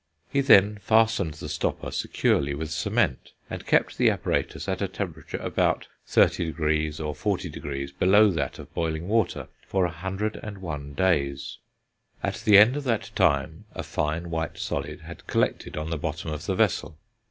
He then fastened the stopper securely with cement, and kept the apparatus at a temperature about 30° or 40° below that of boiling water, for a hundred and one days. At the end of that time a fine white solid had collected on the bottom of the vessel.